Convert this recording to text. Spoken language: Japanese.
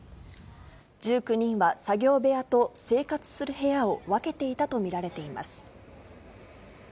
１９人は、作業部屋と生活する部屋を分けていたと見られています。